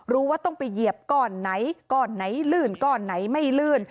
รู้ว่าต้องไปเหยียบก้อนไหนก้อนไหนลื่นก้อนไหนไม่ลื่น